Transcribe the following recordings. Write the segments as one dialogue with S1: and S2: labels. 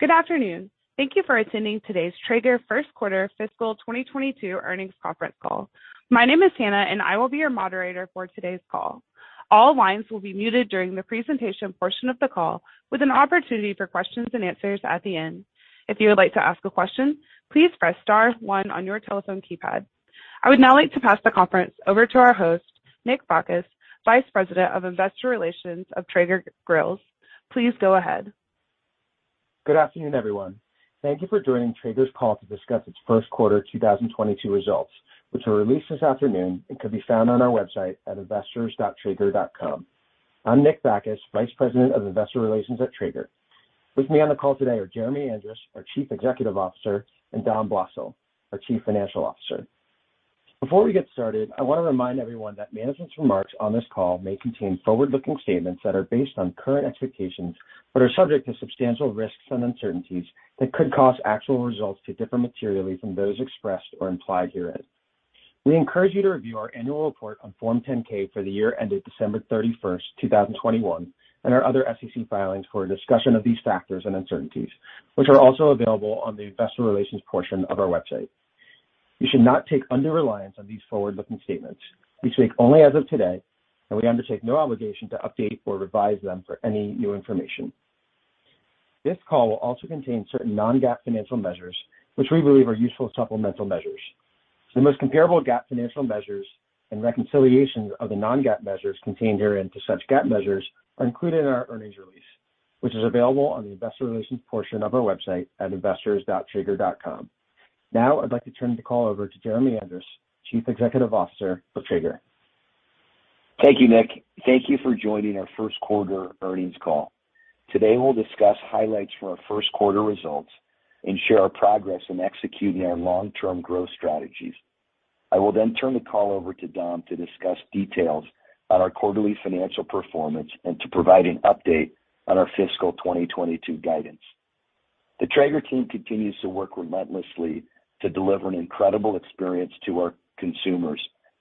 S1: Good afternoon. Thank you for attending today's Traeger first quarter fiscal 2022 earnings conference call. My name is Hannah, and I will be your moderator for today's call. All lines will be muted during the presentation portion of the call with an opportunity for questions and answers at the end. If you would like to ask a question, please press star one on your telephone keypad. I would now like to pass the conference over to our host, Nick Bacchus, Vice President of Investor Relations of Traeger Grills. Please go ahead.
S2: Good afternoon, everyone. Thank you for joining Traeger's call to discuss its first quarter 2022 results, which were released this afternoon and can be found on our website at investors.traeger.com. I'm Nick Bacchus, Vice President of Investor Relations at Traeger. With me on the call today are Jeremy Andrus, our Chief Executive Officer, and Dom Blosil, our Chief Financial Officer. Before we get started, I want to remind everyone that management's remarks on this call may contain forward-looking statements that are based on current expectations but are subject to substantial risks and uncertainties that could cause actual results to differ materially from those expressed or implied herein. We encourage you to review our annual report on Form 10-K for the year ended December 31st, 2021, and our other SEC filings for a discussion of these factors and uncertainties, which are also available on the investor relations portion of our website. You should not take undue reliance on these forward-looking statements. We speak only as of today, and we undertake no obligation to update or revise them for any new information. This call will also contain certain non-GAAP financial measures, which we believe are useful supplemental measures. The most comparable GAAP financial measures and reconciliations of the non-GAAP measures contained herein to such GAAP measures are included in our earnings release, which is available on the investor relations portion of our website at investors.traeger.com. Now I'd like to turn the call over to Jeremy Andrus, Chief Executive Officer of Traeger.
S3: Thank you, Nick. Thank you for joining our first quarter earnings call. Today, we'll discuss highlights from our first quarter results and share our progress in executing our long-term growth strategies. I will then turn the call over to Dom to discuss details on our quarterly financial performance and to provide an update on our fiscal 2022 guidance. The Traeger team continues to work relentlessly to deliver an incredible experience to our consumers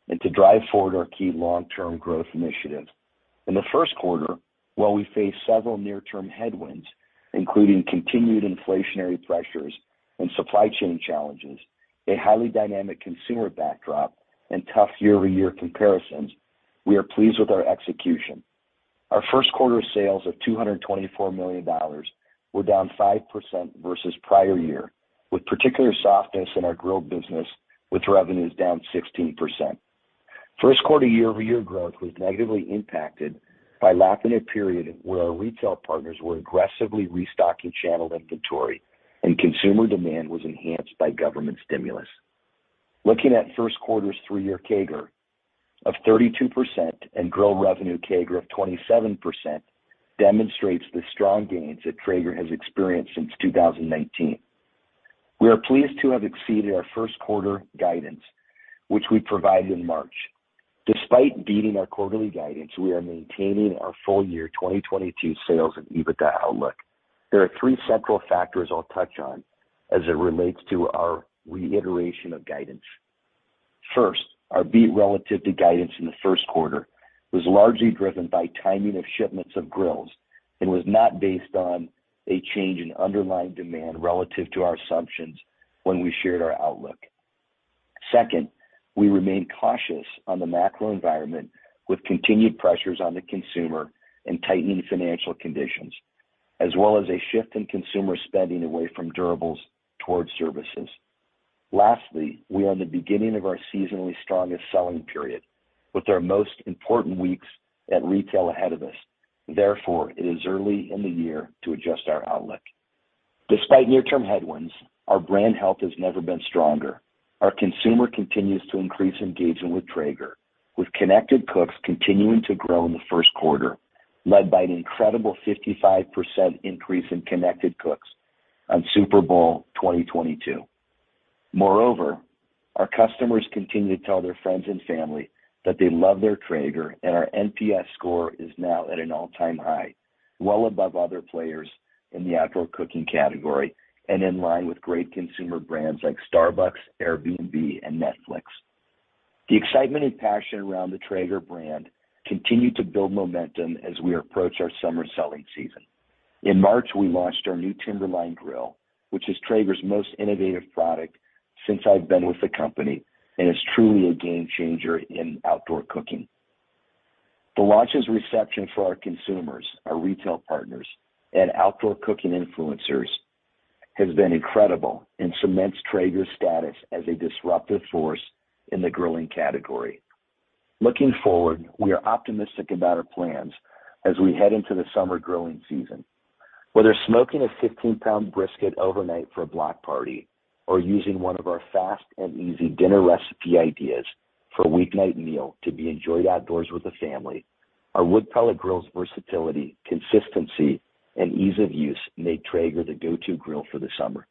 S3: and to drive forward our key long-term growth initiatives. In the first quarter, while we face several near-term headwinds, including continued inflationary pressures and supply chain challenges, a highly dynamic consumer backdrop, and tough year-over-year comparisons, we are pleased with our execution. Our first quarter sales of $224 million were down 5% versus prior year, with particular softness in our grill business, with revenues down 16%. First quarter year-over-year growth was negatively impacted by lacking a period where our retail partners were aggressively restocking channel inventory and consumer demand was enhanced by government stimulus. Looking at first quarter's three-year CAGR of 32% and grill revenue CAGR of 27% demonstrates the strong gains that Traeger has experienced since 2019. We are pleased to have exceeded our first quarter guidance, which we provided in March. Despite beating our quarterly guidance, we are maintaining our full year 2022 sales and EBITDA outlook. There are three central factors I'll touch on as it relates to our reiteration of guidance. First, our beat relative to guidance in the first quarter was largely driven by timing of shipments of grills and was not based on a change in underlying demand relative to our assumptions when we shared our outlook. Second, we remain cautious on the macro environment with continued pressures on the consumer and tightening financial conditions, as well as a shift in consumer spending away from durables towards services. Lastly, we are in the beginning of our seasonally strongest selling period with our most important weeks at retail ahead of us. Therefore, it is early in the year to adjust our outlook. Despite near-term headwinds, our brand health has never been stronger. Our consumer continues to increase engagement with Traeger, with connected cooks continuing to grow in the first quarter, led by an incredible 55% increase in connected cooks on Super Bowl 2022. Moreover, our customers continue to tell their friends and family that they love their Traeger, and our NPS score is now at an all-time high, well above other players in the outdoor cooking category and in line with great consumer brands like Starbucks, Airbnb, and Netflix. The excitement and passion around the Traeger brand continue to build momentum as we approach our summer selling season. In March, we launched our new Timberline grill, which is Traeger's most innovative product since I've been with the company and is truly a game-changer in outdoor cooking. The launch's reception for our consumers, our retail partners, and outdoor cooking influencers has been incredible and cements Traeger's status as a disruptive force in the grilling category. Looking forward, we are optimistic about our plans as we head into the summer grilling season. Whether smoking a 15-pound brisket overnight for a block party or using one of our fast and easy dinner recipe ideas for a weeknight meal to be enjoyed outdoors with the family, our wood pellet grill's versatility, consistency, and ease of use make Traeger the go-to grill for the summer.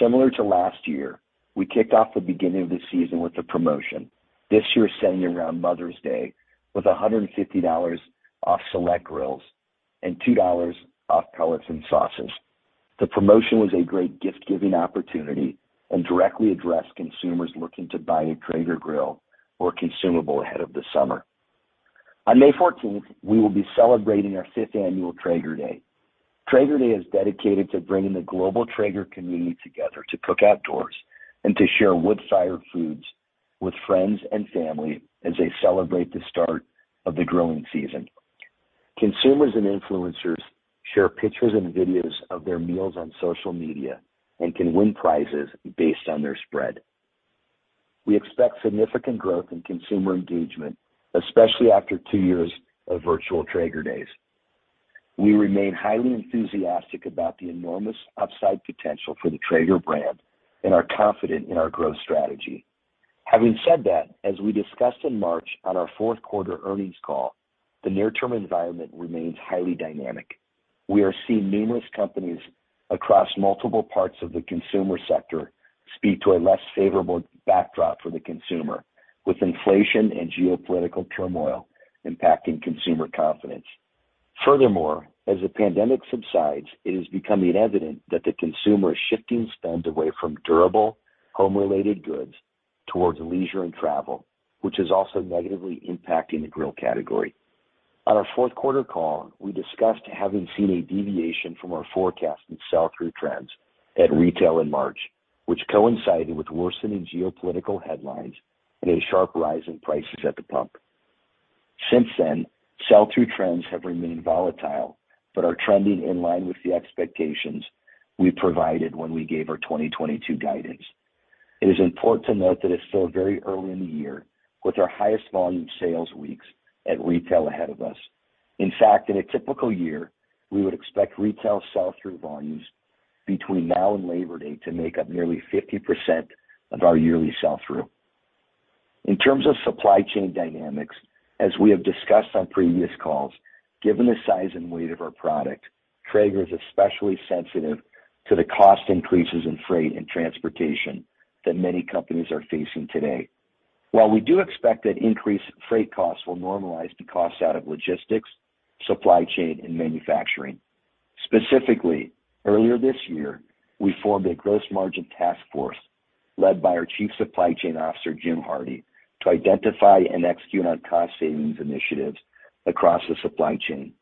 S3: Similar to last year, we kicked off the beginning of the season with a promotion, this year centered around Mother's Day, with $150 off select grills and $2 off pellets and sauces. The promotion was a great gift-giving opportunity and directly addressed consumers looking to buy a Traeger grill or consumable ahead of the summer. On May 14th, we will be celebrating our 5th annual Traeger Day. Traeger Day is dedicated to bringing the global Traeger community together to cook outdoors and to share wood-fired foods with friends and family as they celebrate the start of the grilling season. Consumers and influencers share pictures and videos of their meals on social media and can win prizes based on their spread. We expect significant growth in consumer engagement, especially after two years of virtual Traeger Days. We remain highly enthusiastic about the enormous upside potential for the Traeger brand and are confident in our growth strategy. Having said that, as we discussed in March on our fourth quarter earnings call, the near-term environment remains highly dynamic. We are seeing numerous companies across multiple parts of the consumer sector speak to a less favorable backdrop for the consumer, with inflation and geopolitical turmoil impacting consumer confidence. Furthermore, as the pandemic subsides, it is becoming evident that the consumer is shifting spend away from durable home-related goods towards leisure and travel, which is also negatively impacting the grill category. On our fourth quarter call, we discussed having seen a deviation from our forecast in sell-through trends at retail in March, which coincided with worsening geopolitical headlines and a sharp rise in prices at the pump. Since then, sell-through trends have remained volatile but are trending in line with the expectations we provided when we gave our 2022 guidance. It is important to note that it's still very early in the year with our highest volume sales weeks at retail ahead of us. In fact, in a typical year, we would expect retail sell-through volumes between now and Labor Day to make up nearly 50% of our yearly sell-through. In terms of supply chain dynamics, as we have discussed on previous calls, given the size and weight of our product, Traeger is especially sensitive to the cost increases in freight and transportation that many companies are facing today while we do expect that increased freight costs will normalize to cost out of logistics, supply chain, and manufacturing. Specifically, earlier this year, we formed a gross margin task force led by our Chief Supply Chain Officer, Jim Hardy, to identify and execute on cost savings initiatives across the supply chain.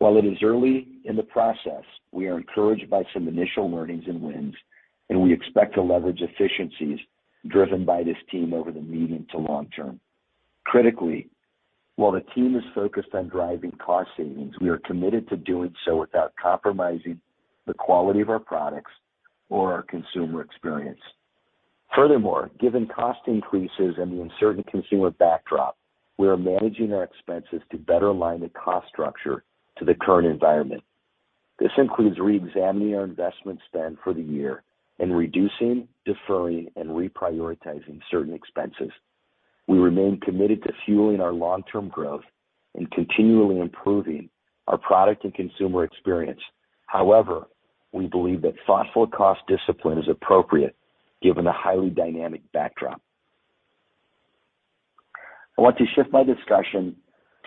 S3: While it is early in the process, we are encouraged by some initial learnings and wins, and we expect to leverage efficiencies driven by this team over the medium to long term. Critically, while the team is focused on driving cost savings, we are committed to doing so without compromising the quality of our products or our consumer experience. Furthermore, given cost increases and the uncertain consumer backdrop, we are managing our expenses to better align the cost structure to the current environment. This includes reexamining our investment spend for the year and reducing, deferring, and reprioritizing certain expenses. We remain committed to fueling our long-term growth and continually improving our product and consumer experience. However, we believe that thoughtful cost discipline is appropriate given the highly dynamic backdrop. I want to shift my discussion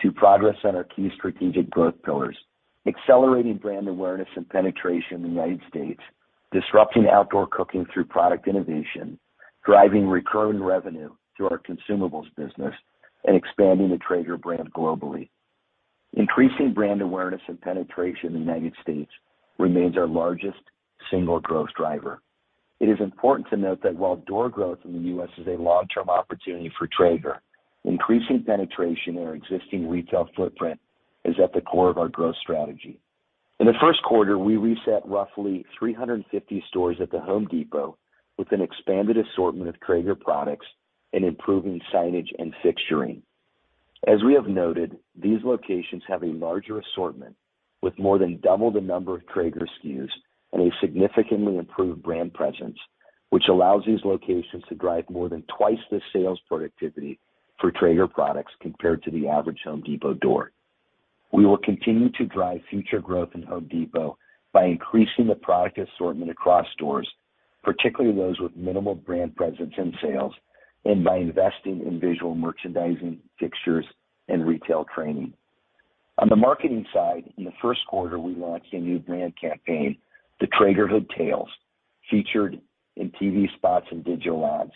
S3: to progress on our key strategic growth pillars, accelerating brand awareness and penetration in the United States, disrupting outdoor cooking through product innovation, driving recurring revenue through our consumables business, and expanding the Traeger brand globally. Increasing brand awareness and penetration in the United States remains our largest single growth driver. It is important to note that while door growth in the U.S. is a long-term opportunity for Traeger, increasing penetration in our existing retail footprint is at the core of our growth strategy. In the first quarter, we reset roughly 350 stores at The Home Depot with an expanded assortment of Traeger products and improving signage and fixturing. As we have noted, these locations have a larger assortment with more than double the number of Traeger SKUs and a significantly improved brand presence, which allows these locations to drive more than twice the sales productivity for Traeger products compared to the average Home Depot door. We will continue to drive future growth in Home Depot by increasing the product assortment across stores, particularly those with minimal brand presence and sales, and by investing in visual merchandising, fixtures, and retail training. On the marketing side, in the first quarter, we launched a new brand campaign, the Traegerhood Tales, featured in TV spots and digital ads.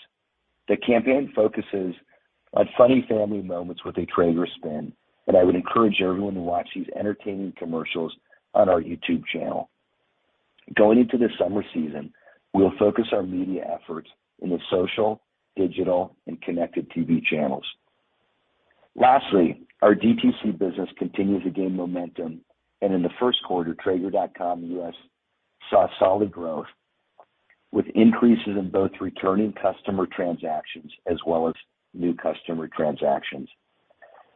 S3: The campaign focuses on funny family moments with a Traeger spin, and I would encourage everyone to watch these entertaining commercials on our YouTube channel. Going into the summer season, we will focus our media efforts in the social, digital, and connected TV channels. Lastly, our DTC business continues to gain momentum, and in the first quarter, traeger.com U.S. saw solid growth with increases in both returning customer transactions as well as new customer transactions.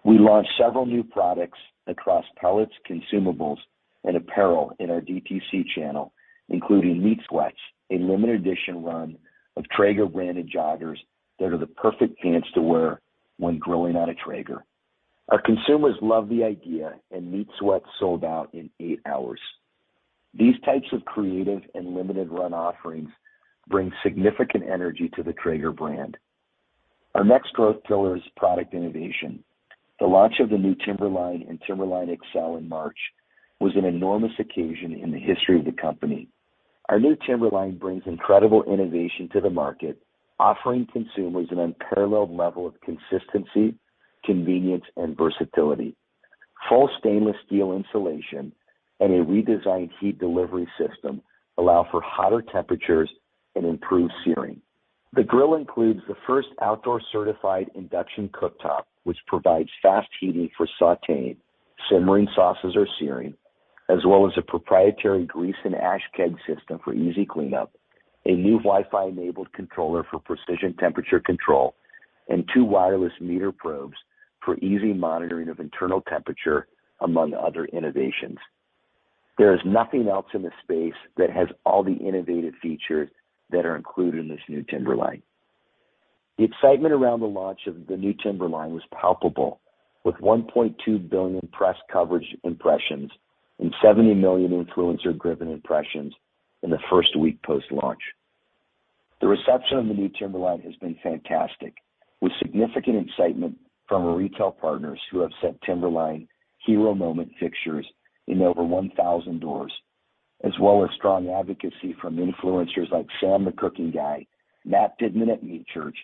S3: We launched several new products across pellets, consumables, and apparel in our DTC channel, including Meat Sweats, a limited edition run of Traeger-branded joggers that are the perfect pants to wear when grilling on a Traeger. Our consumers love the idea, and Meat Sweats sold out in eight hours. These types of creative and limited-run offerings bring significant energy to the Traeger brand. Our next growth pillar is product innovation. The launch of the new Timberline and Timberline XL in March was an enormous occasion in the history of the company. Our new Timberline brings incredible innovation to the market, offering consumers an unparalleled level of consistency, convenience, and versatility. Full stainless steel insulation and a redesigned heat delivery system allow for hotter temperatures and improved searing. The grill includes the first outdoor certified induction cooktop, which provides fast heating for sautéing, simmering sauces or searing, as well as a proprietary grease and ash keg system for easy cleanup, a new Wi-Fi enabled controller for precision temperature control, and two wireless MEATER probes for easy monitoring of internal temperature, among other innovations. There is nothing else in this space that has all the innovative features that are included in this new Timberline. The excitement around the launch of the new Timberline was palpable, with 1.2 billion press coverage impressions and 70 million influencer driven impressions in the first week post-launch. The reception of the new Timberline has been fantastic, with significant excitement from our retail partners who have sent Timberline hero moment fixtures in over 1,000 doors, as well as strong advocacy from influencers like Sam the Cooking Guy, Matt Pittman at Meat Church,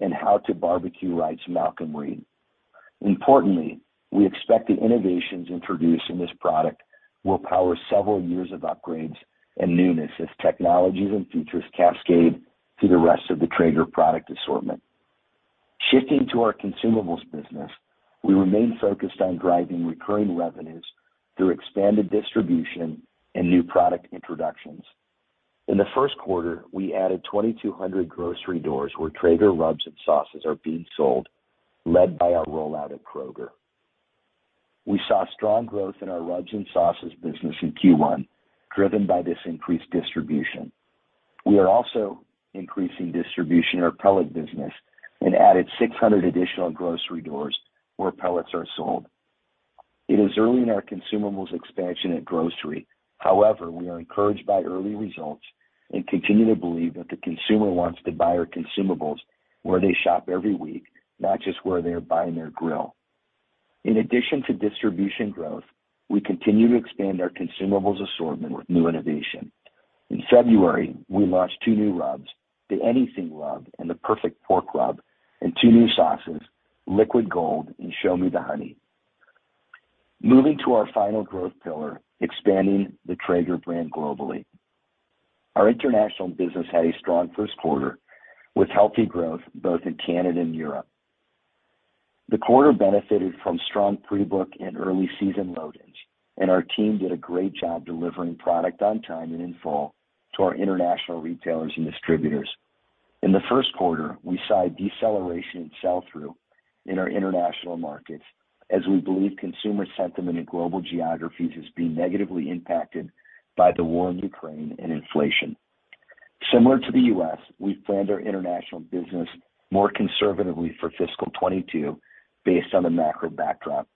S3: and HowToBBQRight's Malcom Reed. Importantly, we expect the innovations introduced in this product will power several years of upgrades and newness as technologies and features cascade to the rest of the Traeger product assortment. Shifting to our consumables business, we remain focused on driving recurring revenues through expanded distribution and new product introductions. In the first quarter, we added 2,200 grocery doors where Traeger rubs and sauces are being sold, led by our rollout at Kroger. We saw strong growth in our rubs and sauces business in Q1, driven by this increased distribution. We are also increasing distribution in our pellet business and added 600 additional grocery doors where pellets are sold. It is early in our consumables expansion at grocery. However, we are encouraged by early results and continue to believe that the consumer wants to buy our consumables where they shop every week, not just where they are buying their grill. In addition to distribution growth, we continue to expand our consumables assortment with new innovation. In February, we launched two new rubs, the Anything Rub and the Perfect Pork Rub, and two new sauces, Liquid Gold and Show Me the Honey. Moving to our final growth pillar, expanding the Traeger brand globally. Our international business had a strong first quarter with healthy growth both in Canada and Europe. The quarter benefited from strong pre-book and early season load-ins, and our team did a great job delivering product on time and in full to our international retailers and distributors. In the first quarter, we saw a deceleration in sell-through in our international markets as we believe consumer sentiment in global geographies is being negatively impacted by the war in Ukraine and inflation. Similar to the U.S., we planned our international business more conservatively for fiscal 2022 based on the macro backdrop.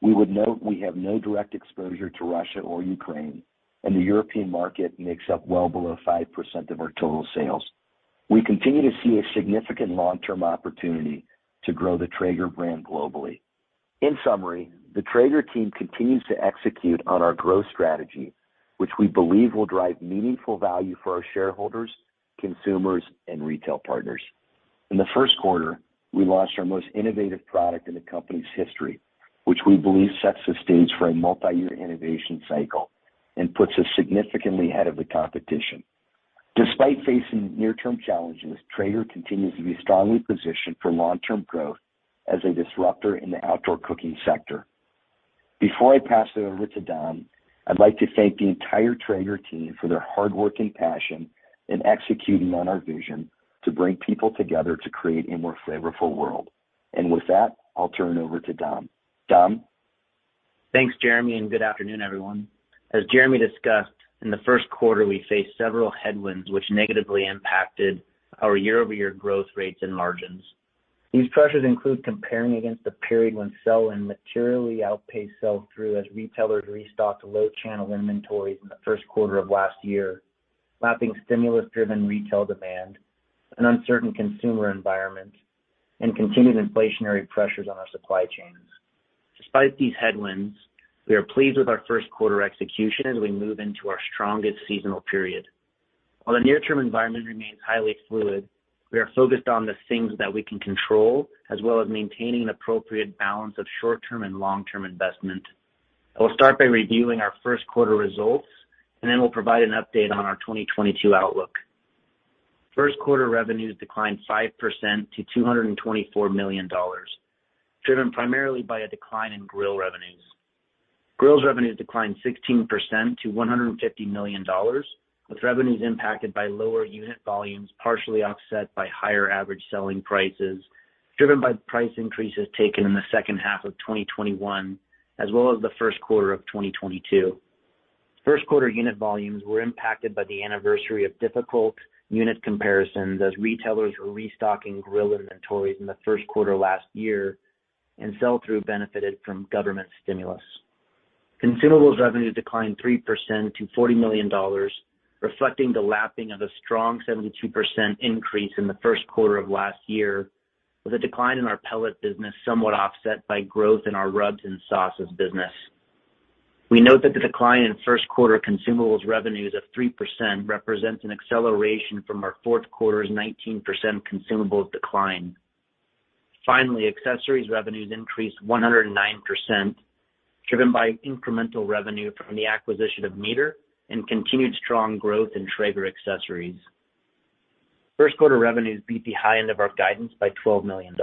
S3: We would note we have no direct exposure to Russia or Ukraine, and the European market makes up well below 5% of our total sales. We continue to see a significant long-term opportunity to grow the Traeger brand globally. In summary, the Traeger team continues to execute on our growth strategy, which we believe will drive meaningful value for our shareholders, consumers, and retail partners. In the first quarter, we launched our most innovative product in the company's history, which we believe sets the stage for a multi-year innovation cycle and puts us significantly ahead of the competition. Despite facing near-term challenges, Traeger continues to be strongly positioned for long-term growth as a disruptor in the outdoor cooking sector. Before I pass it over to Dom, I'd like to thank the entire Traeger team for their hard work and passion in executing on our vision to bring people together to create a more flavorful world. With that, I'll turn it over to Dom. Dom?
S4: Thanks, Jeremy, and good afternoon, everyone. As Jeremy discussed, in the first quarter we faced several headwinds which negatively impacted our year-over-year growth rates and margins. These pressures include comparing against the period when sell-in materially outpaced sell-through as retailers restocked low channel inventories in the first quarter of last year, lapping stimulus-driven retail demand, an uncertain consumer environment, and continued inflationary pressures on our supply chains. Despite these headwinds, we are pleased with our first quarter execution as we move into our strongest seasonal period. While the near-term environment remains highly fluid, we are focused on the things that we can control, as well as maintaining an appropriate balance of short-term and long-term investment. I will start by reviewing our first quarter results, and then we'll provide an update on our 2022 outlook. First quarter revenues declined 5% to $224 million, driven primarily by a decline in grill revenues. Grill revenues declined 16% to $150 million, with revenues impacted by lower unit volumes, partially offset by higher average selling prices, driven by price increases taken in the second half of 2021, as well as the first quarter of 2022. First quarter unit volumes were impacted by the anniversary of difficult unit comparisons as retailers were restocking grill inventories in the first quarter last year, and sell-through benefited from government stimulus. Consumables revenue declined 3% to $40 million, reflecting the lapsing of a strong 72% increase in the first quarter of last year, with a decline in our pellet business somewhat offset by growth in our rubs and sauces business. We note that the decline in first quarter consumables revenues of 3% represents an acceleration from our fourth quarter's 19% consumables decline. Finally, accessories revenues increased 109%, driven by incremental revenue from the acquisition of MEATER and continued strong growth in Traeger accessories. First quarter revenues beat the high end of our guidance by $12 million.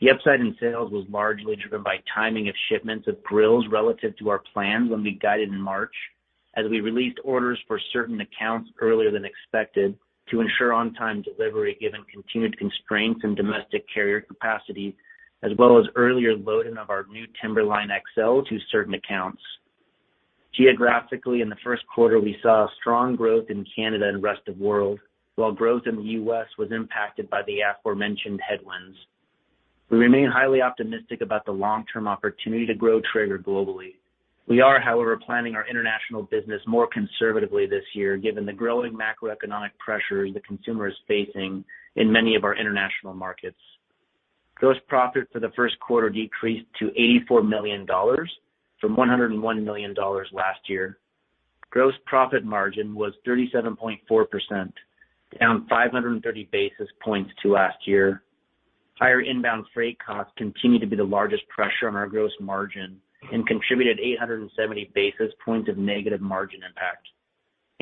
S4: The upside in sales was largely driven by timing of shipments of grills relative to our plans when we guided in March, as we released orders for certain accounts earlier than expected to ensure on-time delivery given continued constraints in domestic carrier capacity, as well as earlier loading of our new Timberline XL to certain accounts. Geographically, in the first quarter, we saw strong growth in Canada and rest of world, while growth in the U.S. was impacted by the aforementioned headwinds. We remain highly optimistic about the long-term opportunity to grow Traeger globally. We are, however, planning our international business more conservatively this year, given the growing macroeconomic pressures the consumer is facing in many of our international markets. Gross profit for the first quarter decreased to $84 million from $101 million last year. Gross profit margin was 37.4%, down 530 basis points to last year. Higher inbound freight costs continue to be the largest pressure on our gross margin and contributed 870 basis points of negative margin impact.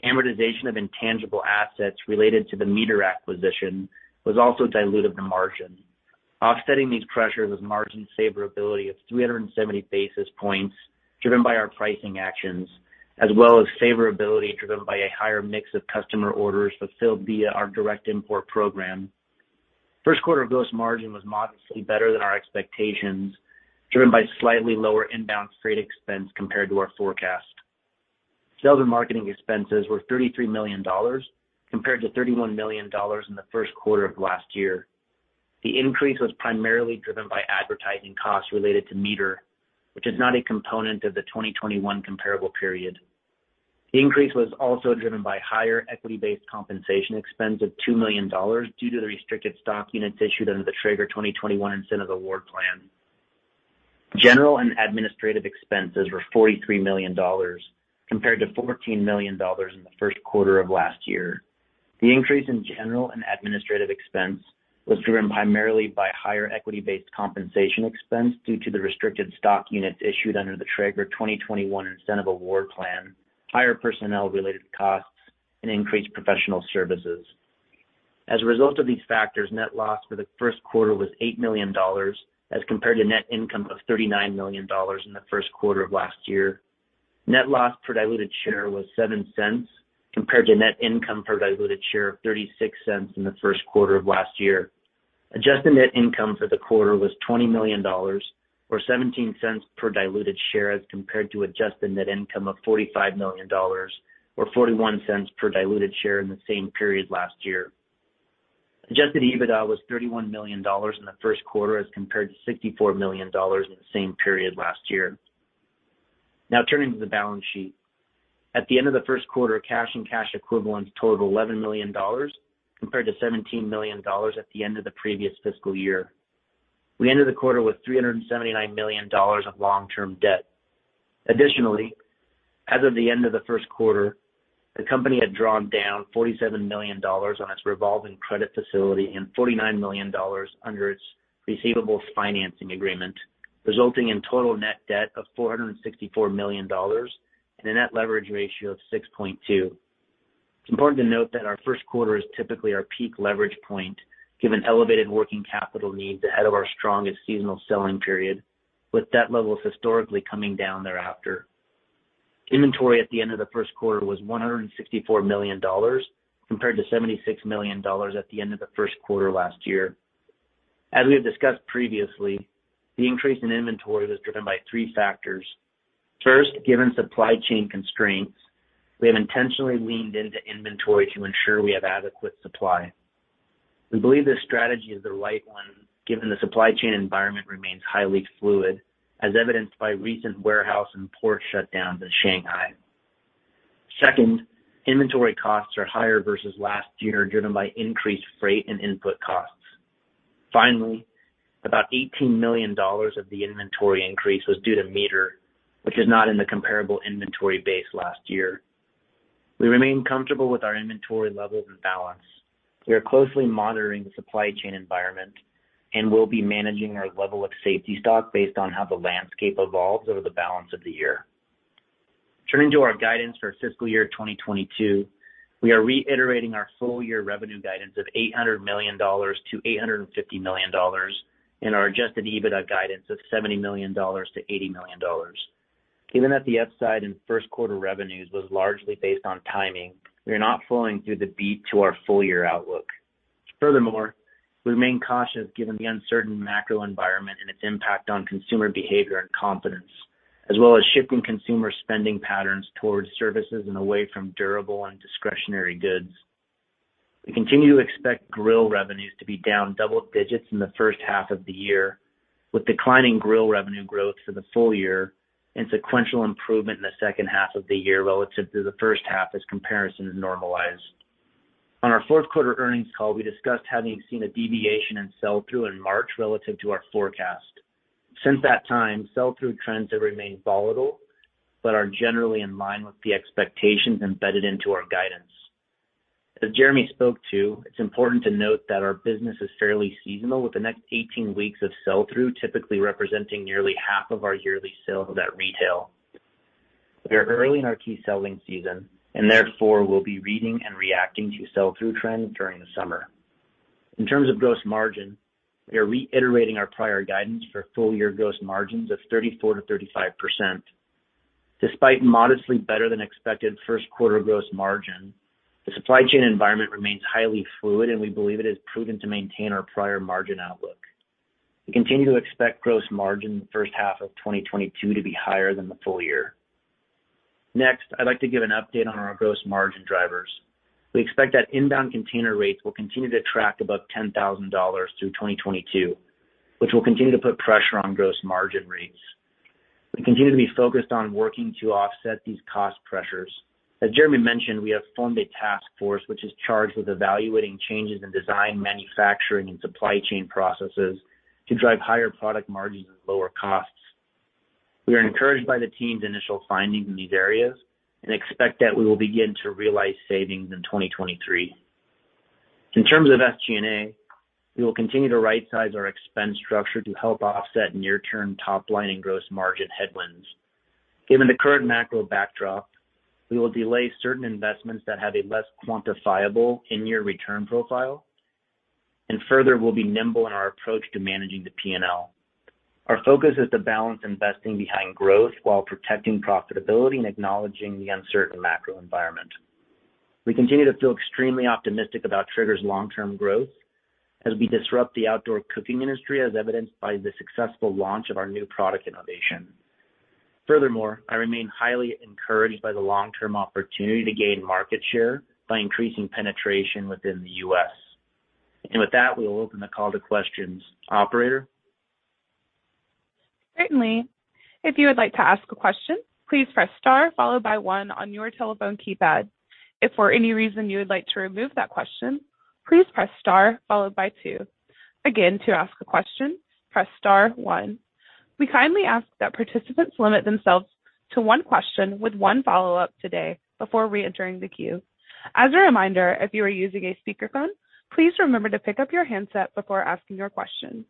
S4: Amortization of intangible assets related to the MEATER acquisition was also dilutive to margin. Offsetting these pressures was margin favorability of 370 basis points, driven by our pricing actions, as well as favorability driven by a higher mix of customer orders fulfilled via our direct import program. First quarter gross margin was modestly better than our expectations, driven by slightly lower inbound freight expense compared to our forecast. Sales and marketing expenses were $33 million compared to $31 million in the first quarter of last year. The increase was primarily driven by advertising costs related to MEATER, which is not a component of the 2021 comparable period. The increase was also driven by higher equity-based compensation expense of $2 million due to the restricted stock units issued under the Traeger 2021 Incentive Award Plan. General and administrative expenses were $43 million compared to $14 million in the first quarter of last year. The increase in general and administrative expense was driven primarily by higher equity-based compensation expense due to the restricted stock units issued under the Traeger 2021 Incentive Award Plan, higher personnel-related costs, and increased professional services. As a result of these factors, net loss for the first quarter was $8 million as compared to net income of $39 million in the first quarter of last year. Net loss per diluted share was $0.07 compared to net income per diluted share of $0.36 in the first quarter of last year. Adjusted net income for the quarter was $20 million or $0.17 per diluted share as compared to adjusted net income of $45 million or $0.41 per diluted share in the same period last year. Adjusted EBITDA was $31 million in the first quarter as compared to $64 million in the same period last year. Now turning to the balance sheet. At the end of the first quarter, cash and cash equivalents totaled $11 million compared to $17 million at the end of the previous fiscal year. We ended the quarter with $379 million of long-term debt. Additionally, as of the end of the first quarter, the company had drawn down $47 million on its revolving credit facility and $49 million under its receivables financing agreement, resulting in total net debt of $464 million and a net leverage ratio of 6.2x. It's important to note that our first quarter is typically our peak leverage point, given elevated working capital needs ahead of our strongest seasonal selling period, with debt levels historically coming down thereafter. Inventory at the end of the first quarter was $164 million compared to $76 million at the end of the first quarter last year. As we have discussed previously, the increase in inventory was driven by three factors. First, given supply chain constraints, we have intentionally leaned into inventory to ensure we have adequate supply. We believe this strategy is the right one, given the supply chain environment remains highly fluid, as evidenced by recent warehouse and port shutdowns in Shanghai. Second, inventory costs are higher versus last year, driven by increased freight and input costs. Finally, about $18 million of the inventory increase was due to MEATER, which is not in the comparable inventory base last year. We remain comfortable with our inventory levels and balance. We are closely monitoring the supply chain environment and will be managing our level of safety stock based on how the landscape evolves over the balance of the year. Turning to our guidance for fiscal year 2022. We are reiterating our full year revenue guidance of $800 million-$850 million and our adjusted EBITDA guidance of $70 million-$80 million. Given that the upside in first quarter revenues was largely based on timing, we are not flowing through the beat to our full year outlook. Furthermore, we remain cautious given the uncertain macro environment and its impact on consumer behavior and confidence, as well as shifting consumer spending patterns towards services and away from durable and discretionary goods. We continue to expect grill revenues to be down double digits in the first half of the year, with declining grill revenue growth for the full year and sequential improvement in the second half of the year relative to the first half as comparisons normalize. On our fourth quarter earnings call, we discussed having seen a deviation in sell-through in March relative to our forecast. Since that time, sell-through trends have remained volatile, but are generally in line with the expectations embedded into our guidance. As Jeremy spoke to, it's important to note that our business is fairly seasonal with the next 18 weeks of sell-through typically representing nearly half of our yearly sales at retail. We are early in our key selling season, and therefore, we'll be reading and reacting to sell-through trends during the summer. In terms of gross margin, we are reiterating our prior guidance for full year gross margins of 34%-35%. Despite modestly better than expected first quarter gross margin, the supply chain environment remains highly fluid, and we believe it is prudent to maintain our prior margin outlook. We continue to expect gross margin in the first half of 2022 to be higher than the full year. Next, I'd like to give an update on our gross margin drivers. We expect that inbound container rates will continue to track above $10,000 through 2022, which will continue to put pressure on gross margin rates. We continue to be focused on working to offset these cost pressures. As Jeremy mentioned, we have formed a task force which is charged with evaluating changes in design, manufacturing, and supply chain processes to drive higher product margins and lower costs. We are encouraged by the team's initial findings in these areas and expect that we will begin to realize savings in 2023. In terms of SG&A, we will continue to rightsize our expense structure to help offset near-term top line and gross margin headwinds. Given the current macro backdrop, we will delay certain investments that have a less quantifiable in-year return profile, and further, we'll be nimble in our approach to managing the P&L. Our focus is to balance investing behind growth while protecting profitability and acknowledging the uncertain macro environment. We continue to feel extremely optimistic about Traeger's long-term growth as we disrupt the outdoor cooking industry, as evidenced by the successful launch of our new product innovation. Furthermore, I remain highly encouraged by the long-term opportunity to gain market share by increasing penetration within the U.S. With that, we will open the call to questions. Operator?
S1: Certainly. If you would like to ask a question, please press star followed by one on your telephone keypad. If for any reason you would like to remove that question, please press star followed by two. Again, to ask a question, press star one. We kindly ask that participants limit themselves to one question with one follow-up today before reentering the queue. As a reminder, if you are using a speakerphone, please remember to pick up your handset before asking your question.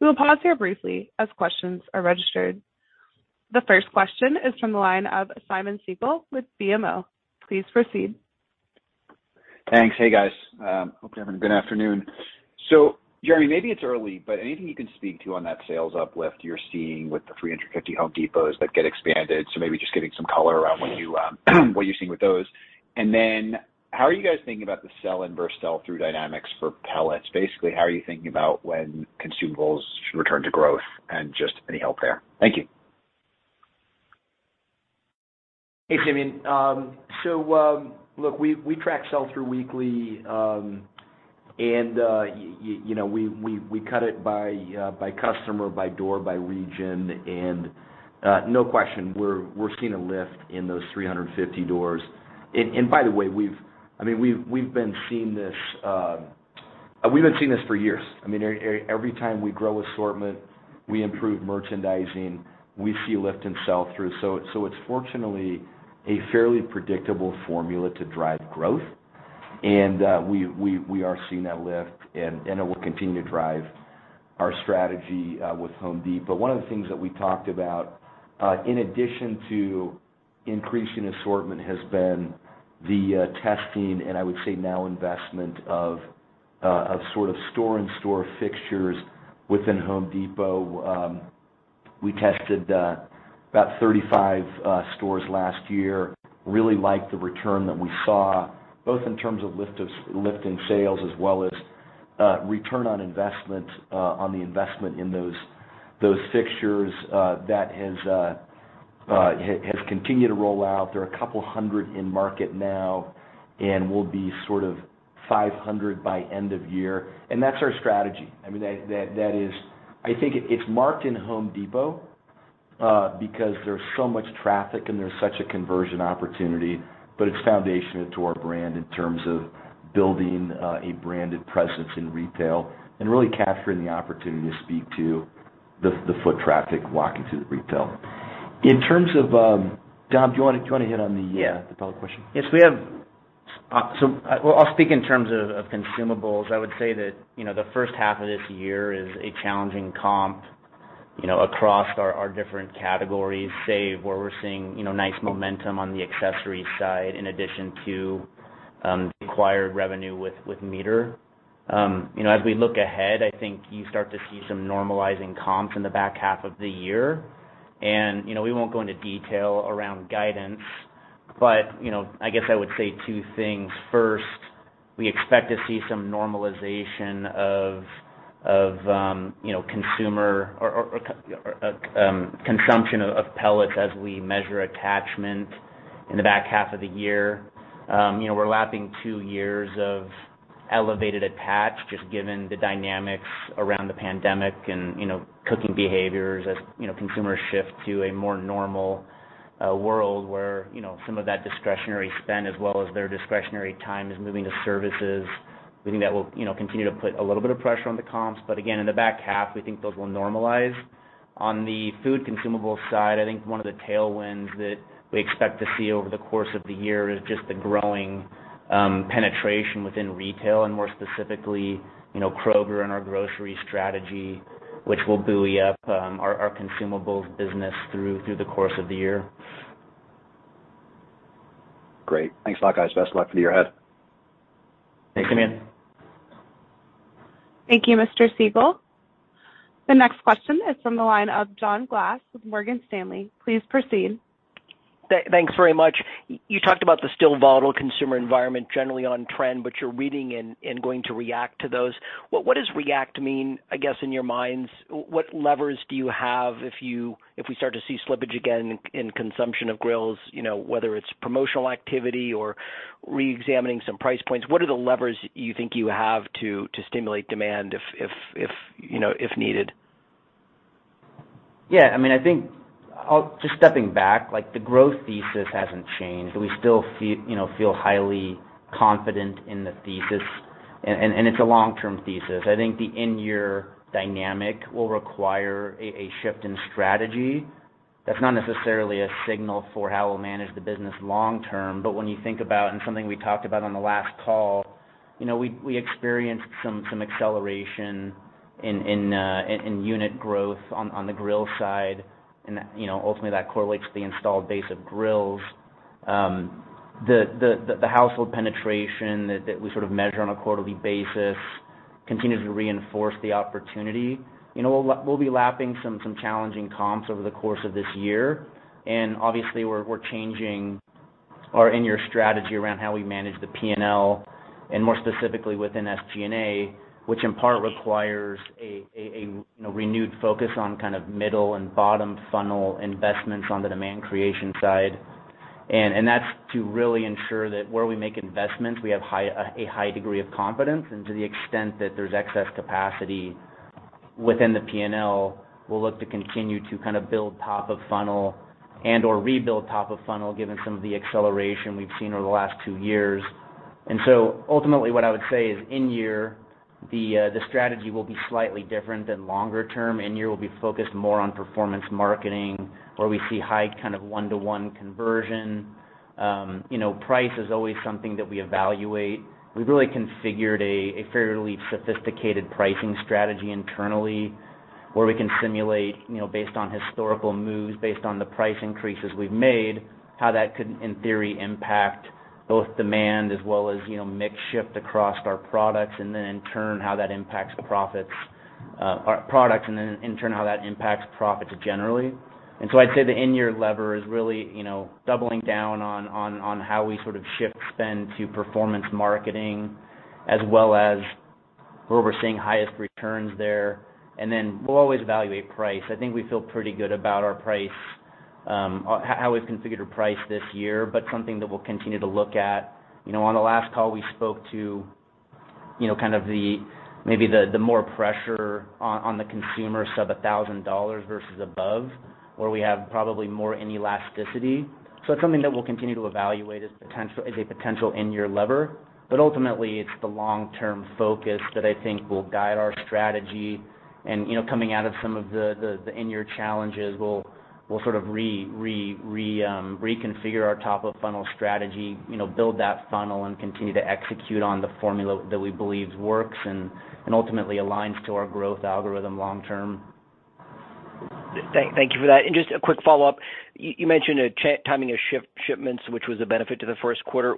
S1: We will pause here briefly as questions are registered. The first question is from the line of Simeon Siegel with BMO. Please proceed.
S5: Thanks. Hey, guys. Hope you're having a good afternoon. Jeremy, maybe it's early, but anything you can speak to on that sales uplift you're seeing with the 350 Home Depots that get expanded. Maybe just giving some color around what you, what you're seeing with those. Then how are you guys thinking about the sell-in and sell-through dynamics for pellets? Basically, how are you thinking about when consumables should return to growth and just any help there? Thank you.
S3: Hey, Simeon. Look, we track sell-through weekly, and you know, we cut it by customer, by door, by region, and no question, we're seeing a lift in those 350 doors. By the way, we've been seeing this for years. I mean, every time we grow assortment, we improve merchandising, we see lift in sell-through. It's fortunately a fairly predictable formula to drive growth. We are seeing that lift and it will continue to drive our strategy with Home Depot. One of the things that we talked about, in addition to increasing assortment has been the testing, and I would say now investment of sort of store-in-store fixtures within Home Depot. We tested about 35 stores last year, really liked the return that we saw, both in terms of lift in sales as well as return on investment on the investment in those fixtures. That has continued to roll out. There are a couple hundred in market now and we'll be sort of 500 by end of year. That's our strategy. I mean, that is. I think it's marked in Home Depot because there's so much traffic and there's such a conversion opportunity, but it's foundational to our brand in terms of building a branded presence in retail and really capturing the opportunity to speak to the foot traffic walking through the retail. In terms of, Dom, do you wanna hit on the pellet question?
S4: Yes, we have. Well, I'll speak in terms of consumables. I would say that, you know, the first half of this year is a challenging comp, you know, across our different categories, say, where we're seeing, you know, nice momentum on the accessories side in addition to acquired revenue with MEATER. You know, as we look ahead, I think you start to see some normalizing comps in the back half of the year. You know, we won't go into detail around guidance, but, you know, I guess I would say two things. First, we expect to see some normalization of consumer consumption of pellets as we measure attachment in the back half of the year. You know, we're lapping two years of elevated attach just given the dynamics around the pandemic and, you know, cooking behaviors as, you know, consumers shift to a more normal world where, you know, some of that discretionary spend as well as their discretionary time is moving to services. We think that will, you know, continue to put a little bit of pressure on the comps. Again, in the back half, we think those will normalize. On the food consumable side, I think one of the tailwinds that we expect to see over the course of the year is just the growing penetration within retail, and more specifically, you know, Kroger and our grocery strategy, which will buoy up our consumables business through the course of the year.
S5: Great. Thanks a lot, guys. Best of luck for the year ahead.
S4: Thanks, Simeon.
S1: Thank you, Mr. Siegel. The next question is from the line of John Glass with Morgan Stanley. Please proceed.
S6: Thanks very much. You talked about the still volatile consumer environment generally on trend. You're reading and going to react to those. What does react mean, I guess, in your minds? What levers do you have if we start to see slippage again in consumption of grills, you know, whether it's promotional activity or reexamining some price points? What are the levers you think you have to stimulate demand if you know, if needed?
S4: Yeah. I mean, I think just stepping back, like, the growth thesis hasn't changed. We still you know, feel highly confident in the thesis and it's a long-term thesis. I think the in-year dynamic will require a shift in strategy. That's not necessarily a signal for how we'll manage the business long term. But when you think about and something we talked about on the last call, you know, we experienced some acceleration in unit growth on the grill side. You know, ultimately, that correlates to the installed base of grills. The household penetration that we sort of measure on a quarterly basis continues to reinforce the opportunity. You know, we'll be lapping some challenging comps over the course of this year. Obviously, we're changing our in-year strategy around how we manage the P&L, and more specifically within SG&A, which in part requires a you know, renewed focus on kind of middle and bottom funnel investments on the demand creation side. That's to really ensure that where we make investments, we have a high degree of confidence. To the extent that there's excess capacity within the P&L, we'll look to continue to kind of build top of funnel and/or rebuild top of funnel given some of the acceleration we've seen over the last two years. Ultimately, what I would say is in year, the strategy will be slightly different than longer term. In year, we'll be focused more on performance marketing where we see high kind of one-to-one conversion. You know, price is always something that we evaluate. We've really configured a fairly sophisticated pricing strategy internally where we can simulate, you know, based on historical moves, based on the price increases we've made, how that could, in theory, impact both demand as well as, you know, mix shift across our products, and then in turn, how that impacts profits, our products, and then in turn, how that impacts profits generally. I'd say the in-year lever is really, you know, doubling down on how we sort of shift spend to performance marketing as well as where we're seeing highest returns there. We'll always evaluate price. I think we feel pretty good about our price, how we've configured our price this year, but something that we'll continue to look at. You know, on the last call, we spoke to you know kind of maybe the more pressure on the consumer sub $1,000 versus above, where we have probably more inelasticity. It's something that we'll continue to evaluate as a potential in-year lever. Ultimately, it's the long-term focus that I think will guide our strategy. You know, coming out of some of the in-year challenges, we'll sort of reconfigure our top of funnel strategy. You know, build that funnel and continue to execute on the formula that we believe works and ultimately aligns to our growth algorithm long term.
S6: Thank you for that. Just a quick follow-up. You mentioned timing of shipments, which was a benefit to the first quarter.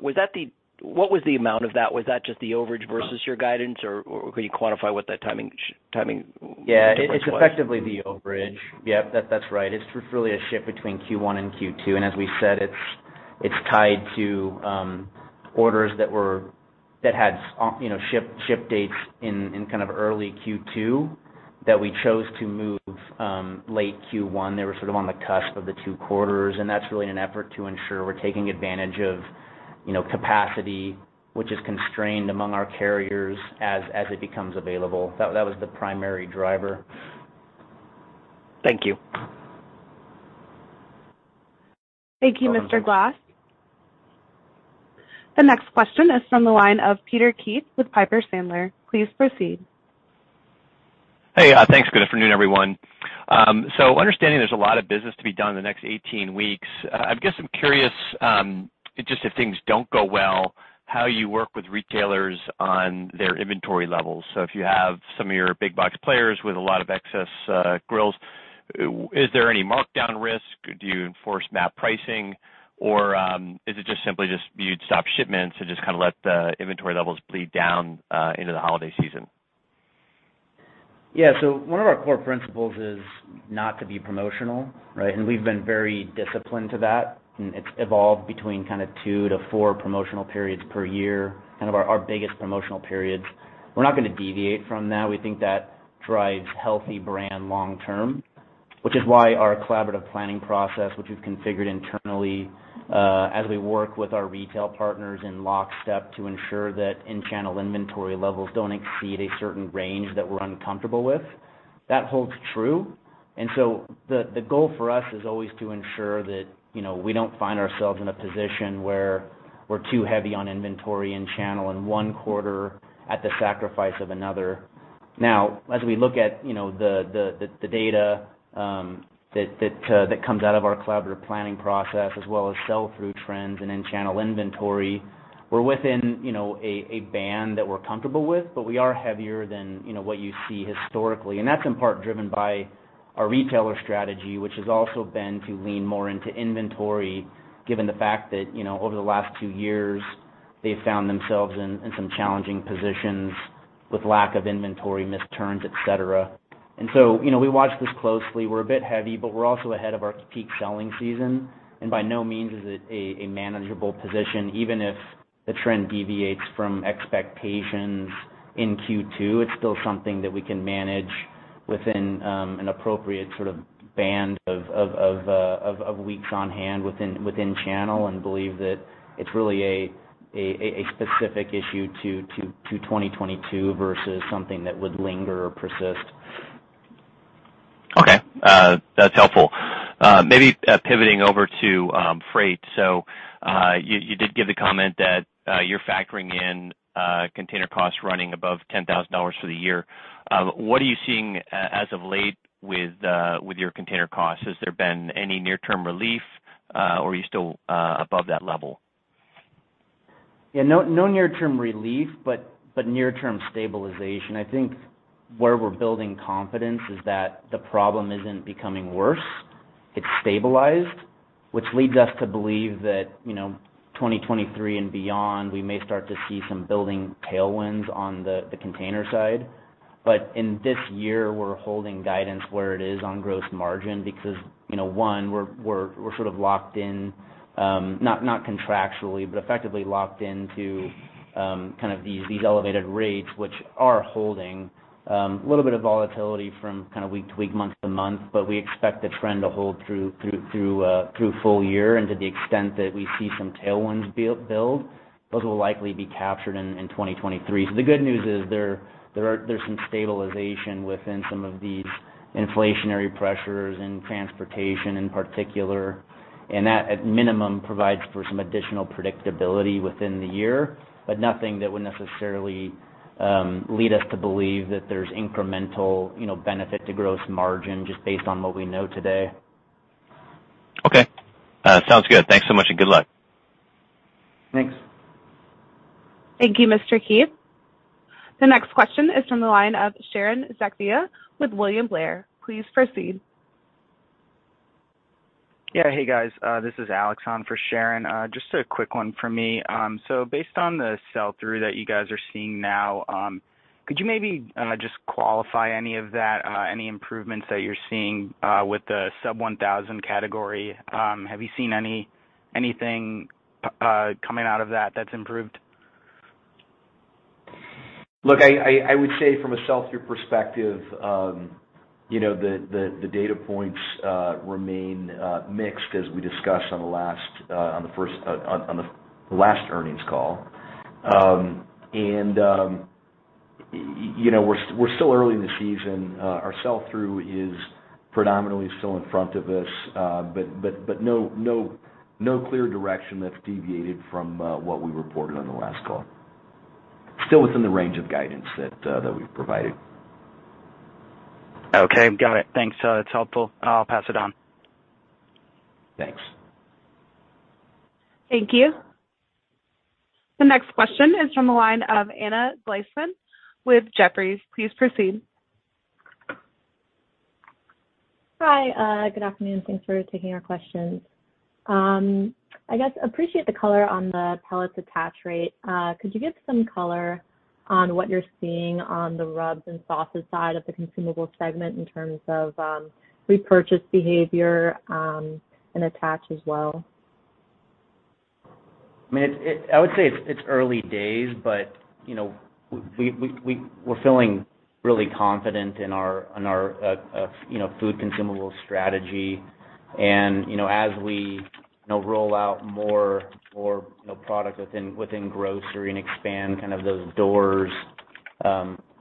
S6: What was the amount of that? Was that just the overage versus your guidance or could you quantify what that timing difference was?
S4: Yeah. It's effectively the overage. Yep. That, that's right. It's just really a shift between Q1 and Q2. As we said, it's tied to orders that had on, you know, ship dates in kind of early Q2 that we chose to move late Q1. They were sort of on the cusp of the two quarters, and that's really an effort to ensure we're taking advantage of, you know, capacity which is constrained among our carriers as it becomes available. That was the primary driver.
S6: Thank you.
S1: Thank you, Mr. Glass. The next question is from the line of Peter Keith with Piper Sandler. Please proceed.
S7: Hey, thanks. Good afternoon, everyone. Understanding there's a lot of business to be done in the next 18 weeks, I guess I'm curious, just if things don't go well, how you work with retailers on their inventory levels. If you have some of your big box players with a lot of excess grills, is there any markdown risk? Do you enforce MAP pricing? Or, is it just simply you'd stop shipments and just kinda let the inventory levels bleed down into the holiday season?
S4: Yeah. One of our core principles is not to be promotional, right? We've been very disciplined to that, and it's evolved between kind of two to four promotional periods per year, kind of our biggest promotional periods. We're not gonna deviate from that. We think that drives healthy brand long term, which is why our collaborative planning process, which we've configured internally, as we work with our retail partners in lockstep to ensure that in-channel inventory levels don't exceed a certain range that we're uncomfortable with. That holds true. The goal for us is always to ensure that, you know, we don't find ourselves in a position where we're too heavy on inventory and channel in one quarter at the sacrifice of another. Now, as we look at, you know, the data that comes out of our collaborative planning process as well as sell-through trends and in-channel inventory, we're within, you know, a band that we're comfortable with, but we are heavier than, you know, what you see historically. That's in part driven by our retailer strategy, which has also been to lean more into inventory given the fact that, you know, over the last two years, they've found themselves in some challenging positions with lack of inventory, missed turns, et cetera. You know, we watch this closely. We're a bit heavy, but we're also ahead of our peak selling season. By no means is it a manageable position. Even if the trend deviates from expectations in Q2, it's still something that we can manage within an appropriate sort of band of weeks on hand within channel and believe that it's really a specific issue to 2022 versus something that would linger or persist.
S7: Okay. That's helpful. Maybe pivoting over to freight. You did give the comment that you're factoring in container costs running above $10,000 for the year. What are you seeing as of late with your container costs? Has there been any near-term relief, or are you still above that level?
S4: Yeah. No near-term relief, but near-term stabilization. I think where we're building confidence is that the problem isn't becoming worse. It's stabilized, which leads us to believe that, you know, 2023 and beyond, we may start to see some building tailwinds on the container side. In this year, we're holding guidance where it is on gross margin because, you know, one, we're sort of locked in, not contractually, but effectively locked into kind of these elevated rates, which are holding a little bit of volatility from kind of week to week, month to month, but we expect the trend to hold through full year. To the extent that we see some tailwinds build, those will likely be captured in 2023. The good news is there's some stabilization within some of these inflationary pressures in transportation in particular, and that, at minimum, provides for some additional predictability within the year, but nothing that would necessarily lead us to believe that there's incremental, you know, benefit to gross margin just based on what we know today.
S7: Okay. Sounds good. Thanks so much, and good luck.
S4: Thanks.
S1: Thank you, Mr. Keith. The next question is from the line of Sharon Zackfia with William Blair. Please proceed.
S8: Yeah. Hey, guys. This is Alex on for Sharon. Just a quick one for me. So based on the sell-through that you guys are seeing now, could you maybe just qualify any of that, any improvements that you're seeing with the sub-1,000 category? Have you seen anything coming out of that that's improved?
S3: Look, I would say from a sell-through perspective, you know, the data points remain mixed as we discussed on the last earnings call. You know, we're still early in the season. Our sell-through is predominantly still in front of us, but no clear direction that's deviated from what we reported on the last call. Still within the range of guidance that we've provided.
S8: Okay. Got it. Thanks. That's helpful. I'll pass it on.
S3: Thanks.
S1: Thank you. The next question is from the line of Anna Glaessgen with Jefferies. Please proceed.
S9: Hi. Good afternoon. Thanks for taking our questions. I guess appreciate the color on the pellets attach rate. Could you give some color on what you're seeing on the rubs and sauces side of the consumables segment in terms of, repurchase behavior, and attach as well?
S4: I mean, I would say it's early days, but you know, we're feeling really confident in our food consumable strategy. You know, as we you know roll out more product within grocery and expand those doors,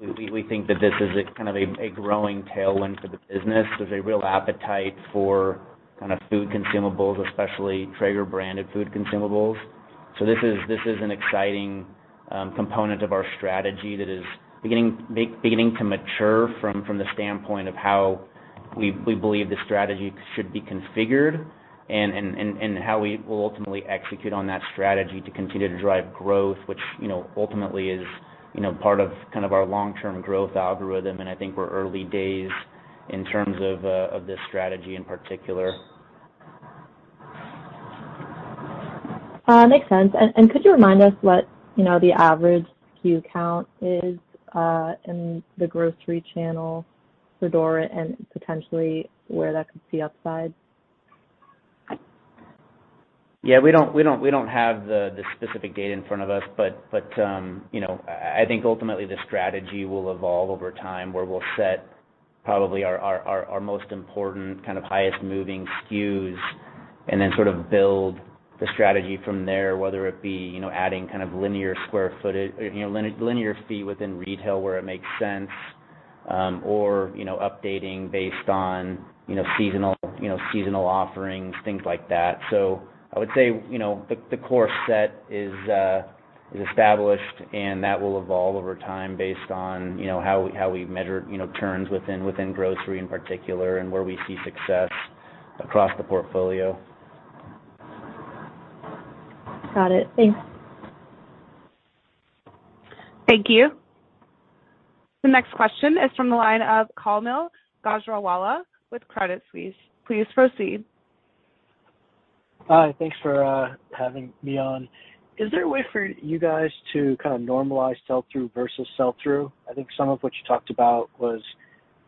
S4: we think that this is a kind of a growing tailwind for the business. There's a real appetite for food consumables, especially Traeger-branded food consumables. This is an exciting component of our strategy that is beginning to mature from the standpoint of how we believe the strategy should be configured and how we will ultimately execute on that strategy to continue to drive growth, which you know ultimately is part of our long-term growth algorithm. I think we're early days in terms of this strategy in particular.
S9: Makes sense. Could you remind us what, you know, the average SKU count is in the grocery channel for the door and potentially where that could see upside?
S4: Yeah. We don't have the specific data in front of us, but you know, I think ultimately the strategy will evolve over time, where we'll set probably our most important kind of highest moving SKUs and then sort of build the strategy from there, whether it be, you know, adding kind of linear footage within retail where it makes sense, or, you know, updating based on, you know, seasonal offerings, things like that. I would say, you know, the core set is established, and that will evolve over time based on, you know, how we measure, you know, turns within grocery in particular and where we see success across the portfolio.
S9: Got it. Thanks.
S1: Thank you. The next question is from the line of Kaumil Gajrawala with Credit Suisse. Please proceed.
S10: Hi. Thanks for having me on. Is there a way for you guys to kind of normalize sell-through versus sell-in? I think some of what you talked about was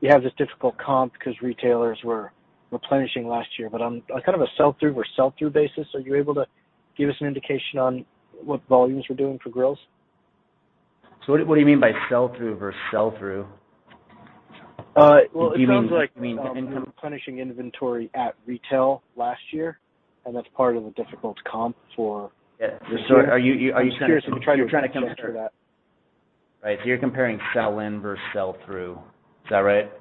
S10: you have this difficult comp 'cause retailers were replenishing last year, but on kind of a sell-through or sell-in basis, are you able to give us an indication on what volumes you're doing for grills?
S4: What do you mean by sell-through versus sell-in?
S10: Well, it sounds like.
S4: Do you mean in-
S10: Replenishing inventory at retail last year, and that's part of the difficult comp for this year.
S4: Yeah. Are you kinda- You're trying to compare. Right. So you're comparing sell-in versus sell-through. Is that right?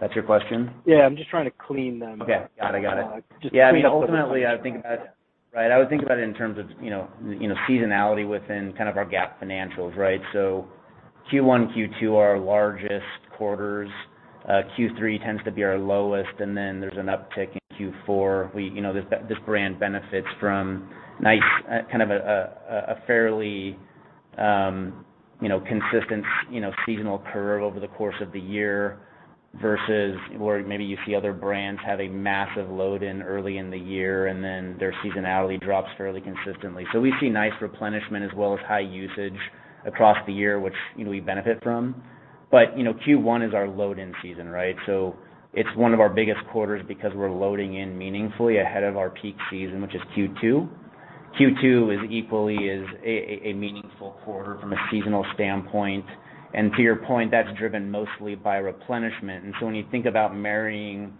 S4: That's your question?
S10: Yeah. I'm just trying to clean them up.
S4: Okay. Got it.
S10: Just clean up those questions.
S4: Yeah. I mean, ultimately I would think about it in terms of, you know, seasonality within kind of our GAAP financials, right? So Q1, Q2 are our largest quarters. Q3 tends to be our lowest, and then there's an uptick in Q4. We, you know, this brand benefits from nice kind of a fairly you know consistent seasonal curve over the course of the year versus where maybe you see other brands have a massive load in early in the year, and then their seasonality drops fairly consistently. So we see nice replenishment as well as high usage across the year, which, you know, we benefit from. You know, Q1 is our load-in season, right? It's one of our biggest quarters because we're loading in meaningfully ahead of our peak season, which is Q2. Q2 is equally as a meaningful quarter from a seasonal standpoint. To your point, that's driven mostly by replenishment. When you think about marrying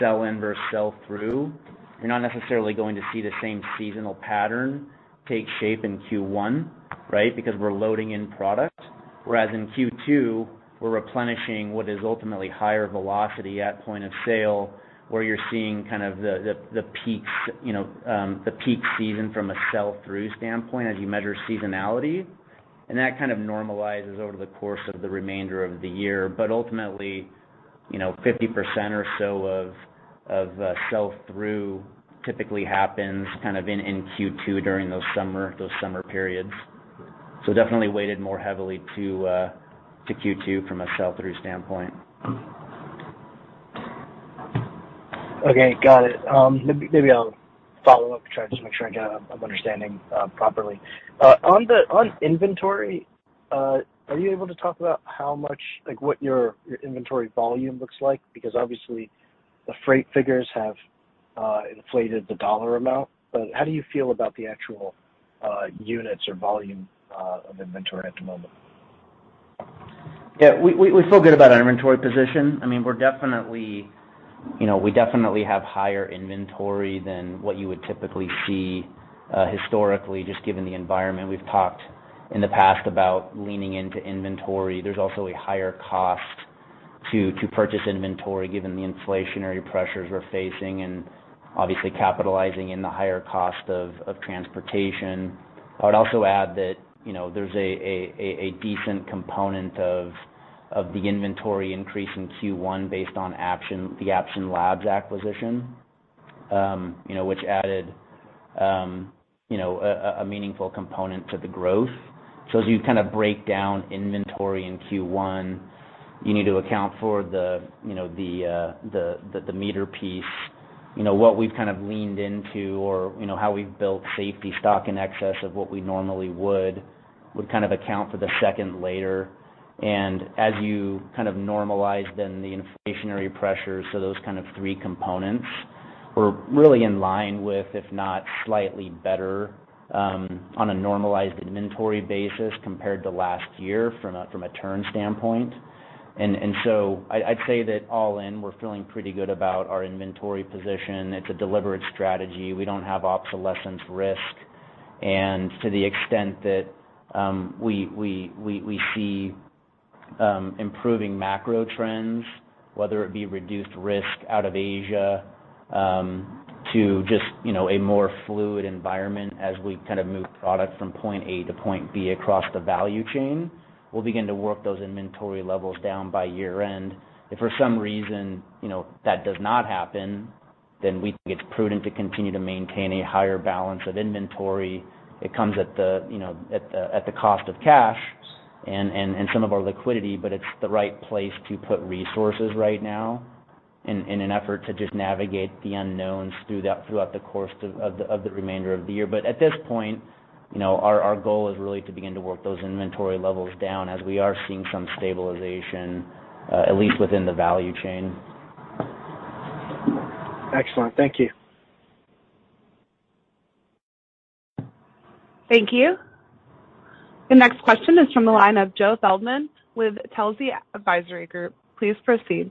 S4: sell-in versus sell-through, you're not necessarily going to see the same seasonal pattern take shape in Q1, right? Because we're loading in product. Whereas in Q2, we're replenishing what is ultimately higher velocity at point of sale, where you're seeing kind of the peaks, you know, the peak season from a sell-through standpoint as you measure seasonality. That kind of normalizes over the course of the remainder of the year. Ultimately, you know, 50% or so of sell-through typically happens kind of in Q2 during those summer periods. Definitely weighted more heavily to Q2 from a sell-through standpoint.
S10: Okay. Got it. Maybe I'll follow up to try to just make sure I got a, I'm understanding properly. On inventory, are you able to talk about how much, like, what your inventory volume looks like? Because obviously the freight figures have inflated the dollar amount, but how do you feel about the actual units or volume of inventory at the moment?
S4: Yeah. We feel good about our inventory position. I mean, we're definitely, you know, have higher inventory than what you would typically see historically, just given the environment. We've talked in the past about leaning into inventory. There's also a higher cost to purchase inventory given the inflationary pressures we're facing and obviously capitalizing in the higher cost of transportation. I would also add that, you know, there's a decent component of the inventory increase in Q1 based on Apption, the Apption Labs acquisition, you know, which added, you know, a meaningful component to the growth. As you kind of break down inventory in Q1, you need to account for the, you know, the MEATER piece. You know, what we've kind of leaned into or, you know, how we've built safety stock in excess of what we normally would would kind of account for the second layer. As you kind of normalize then the inflationary pressures, so those kind of three components, we're really in line with, if not slightly better, on a normalized inventory basis compared to last year from a turn standpoint. I'd say that all in, we're feeling pretty good about our inventory position. It's a deliberate strategy. We don't have obsolescence risk. To the extent that we see improving macro trends, whether it be reduced risk out of Asia, to just, you know, a more fluid environment as we kind of move product from point A to point B across the value chain, we'll begin to work those inventory levels down by year-end. If for some reason, you know, that does not happen, then we think it's prudent to continue to maintain a higher balance of inventory. It comes at the, you know, at the cost of cash and some of our liquidity, but it's the right place to put resources right now. In an effort to just navigate the unknowns throughout the course of the remainder of the year. At this point, you know, our goal is really to begin to work those inventory levels down as we are seeing some stabilization, at least within the value chain.
S10: Excellent. Thank you.
S1: Thank you. The next question is from the line of Joe Feldman with Telsey Advisory Group. Please proceed.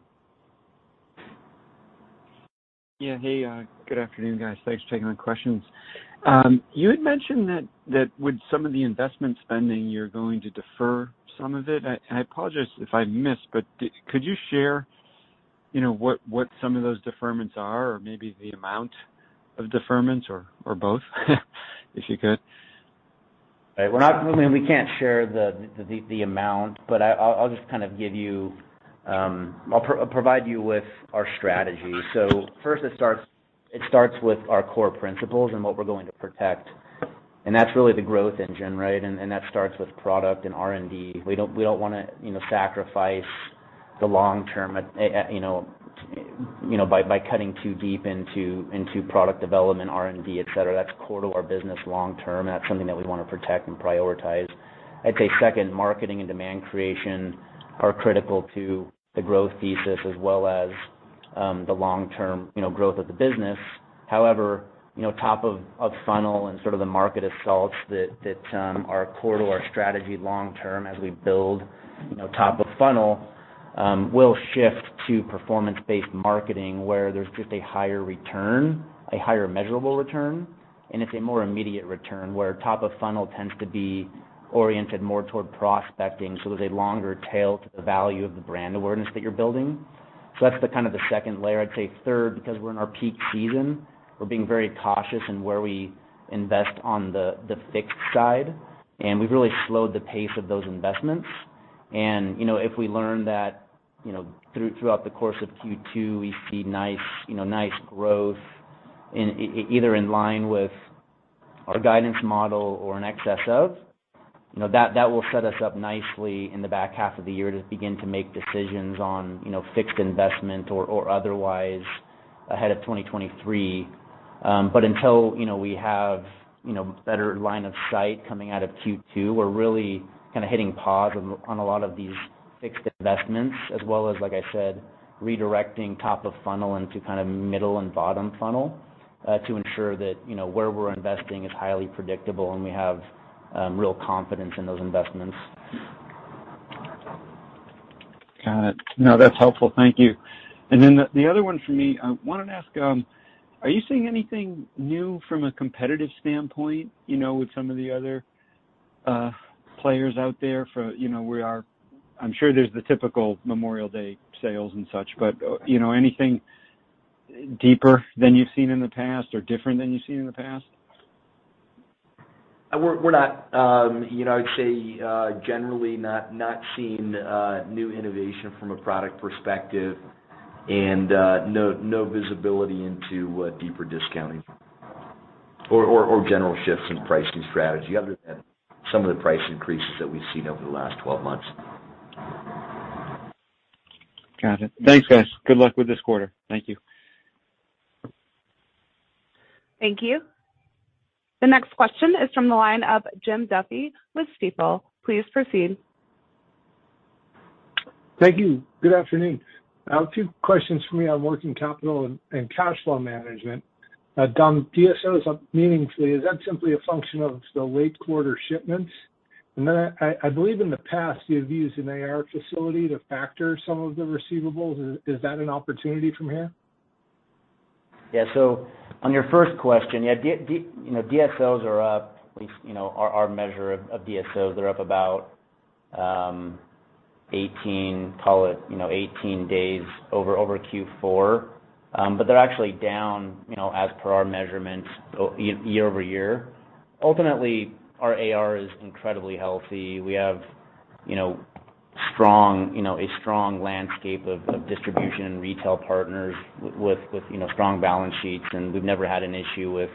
S11: Hey, good afternoon, guys. Thanks for taking my questions. You had mentioned that with some of the investment spending, you're going to defer some of it. I apologize if I missed, but could you share, you know, what some of those deferments are or maybe the amount of deferments or both, if you could?
S4: Right. I mean, we can't share the amount, but I'll provide you with our strategy. First it starts with our core principles and what we're going to protect, and that's really the growth engine, right? That starts with product and R&D. We don't wanna, you know, sacrifice the long term, you know, by cutting too deep into product development, R&D, et cetera. That's core to our business long term, and that's something that we wanna protect and prioritize. I'd say, second, marketing and demand creation are critical to the growth thesis as well as the long-term, you know, growth of the business. However, you know, top-of-funnel and sort of the marketing assets that are core to our strategy long term as we build, you know, top-of-funnel will shift to performance-based marketing, where there's just a higher return, a higher measurable return, and it's a more immediate return, where top-of-funnel tends to be oriented more toward prospecting, so there's a longer tail to the value of the brand awareness that you're building. That's the kind of the second layer. I'd say third, because we're in our peak season, we're being very cautious in where we invest on the fixed side, and we've really slowed the pace of those investments. You know, if we learn that, you know, throughout the course of Q2, we see nice, you know, nice growth in either in line with our guidance model or in excess of, you know, that will set us up nicely in the back half of the year to begin to make decisions on, you know, fixed investment or otherwise ahead of 2023. Until you know we have you know better line of sight coming out of Q2, we're really kind of hitting pause on a lot of these fixed investments as well as, like I said, redirecting top of funnel into kind of middle and bottom funnel to ensure that, you know, where we're investing is highly predictable and we have real confidence in those investments.
S11: Got it. No, that's helpful. Thank you. The other one for me, I wanted to ask, are you seeing anything new from a competitive standpoint, you know, with some of the other players out there for, you know, I'm sure there's the typical Memorial Day sales and such, but, you know, anything deeper than you've seen in the past or different than you've seen in the past?
S3: We're not, you know, I'd say, generally not seeing new innovation from a product perspective and no visibility into deeper discounting or general shifts in pricing strategy other than some of the price increases that we've seen over the last 12 months.
S11: Got it. Thanks, guys. Good luck with this quarter. Thank you.
S1: Thank you. The next question is from the line of Jim Duffy with Stifel. Please proceed.
S12: Thank you. Good afternoon. I have two questions for me on working capital and cash flow management. Dom, DSOs up meaningfully. Is that simply a function of the late quarter shipments? I believe in the past you've used an AR facility to factor some of the receivables. Is that an opportunity from here?
S4: Yeah. On your first question, yeah, DSOs are up, at least, you know, our measure of DSOs. They're up about 18, call it, you know, 18 days over Q4. But they're actually down, you know, as per our measurements year-over-year. Ultimately, our AR is incredibly healthy. We have, you know, strong, you know, a strong landscape of distribution and retail partners with, you know, strong balance sheets, and we've never had an issue with,